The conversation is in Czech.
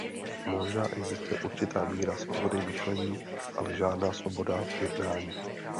Možná existuje určitá míra svobody myšlení, ale žádná svoboda jednání.